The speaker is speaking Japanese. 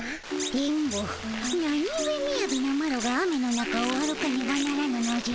電ボ何ゆえみやびなマロが雨の中を歩かねばならぬのじゃ。